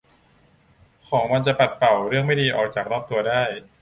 ของมันจะปัดเป่าเรื่องไม่ดีออกจากรอบตัวได้